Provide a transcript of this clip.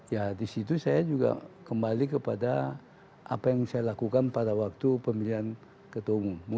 ya di situ saya juga kembali kepada apa yang saya lakukan pada waktu pemilihan ketua umum